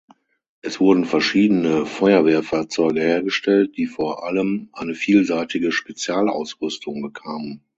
Es wurden verschiedene Feuerwehrfahrzeuge hergestellt, die vor allem eine vielseitige Spezialausrüstung bekamen.